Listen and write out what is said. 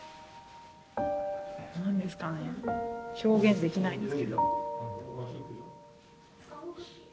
何ですかね表現できないんですけど。